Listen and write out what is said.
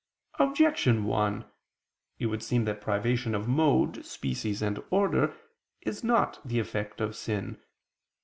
Objection 1: It would seem that privation of mode, species and order is not the effect of sin.